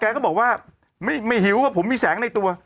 ก็บอกว่าไม่หิวว่าผมมีแสงในตัว